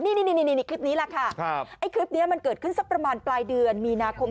นี่คลิปนี้แหละค่ะไอ้คลิปนี้มันเกิดขึ้นสักประมาณปลายเดือนมีนาคม